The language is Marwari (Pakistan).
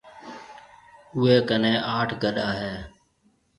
اوَي ڪنَي آٺ گڏا هيَ۔